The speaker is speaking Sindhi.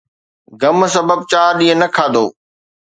غم سبب چار ڏينهن نه کاڌو